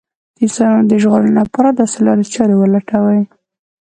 د انسانانو د ژغورنې لپاره داسې لارې چارې ولټوي